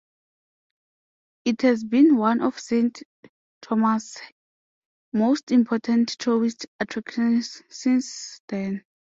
It has been one of Saint Thomas' most important tourist attractions since then.